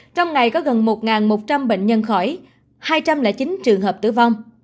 trong ngày có gần một một trăm linh bệnh nhân khỏi hai trăm linh chín trường hợp tử vong